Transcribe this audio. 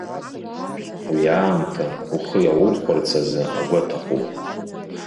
Уи аамҭа ухы иаурхәарц азы агәы аҭахуп.